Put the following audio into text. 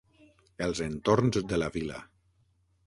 Els entorns de la vila.